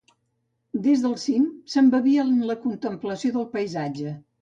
Des del cim s'embevia en la contemplació del paisatge.